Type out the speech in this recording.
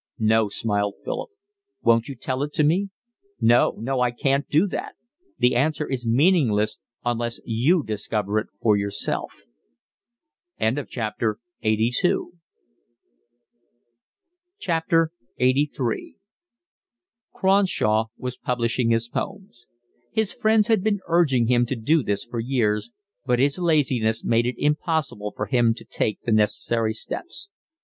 "No," smiled Philip. "Won't you tell it me?" "No, no, I can't do that. The answer is meaningless unless you discover it for yourself." LXXXIII Cronshaw was publishing his poems. His friends had been urging him to do this for years, but his laziness made it impossible for him to take the necessary steps.